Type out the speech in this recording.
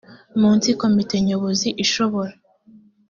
munsi komite nyobozi ishobora